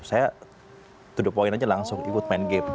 saya tudup poin aja langsung ikut main game